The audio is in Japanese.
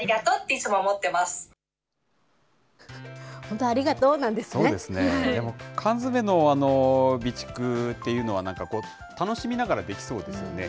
そうですね、でも、缶詰の備蓄っていうのはなんかこう、楽しみながらできそうですよね。